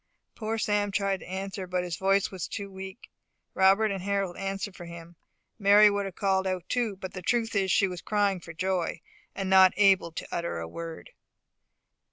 Poor Sam tried to answer, but his voice was too weak. Robert and Harold answered for him. Mary would have called out too; but the truth is she was crying for joy, and was not able to utter a word.